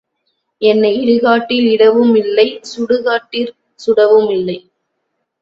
என்னை இடு காட்டில் இடவும் இல்லை சுடுகாட்டிற் சுடவுமில்லை.